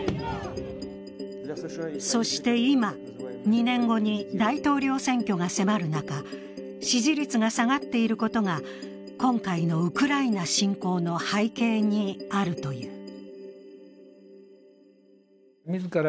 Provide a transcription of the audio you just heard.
そして今、２年後に大統領選挙が迫る中、支持率が下がっていることが今回のウクライナ侵攻の背景にあるという。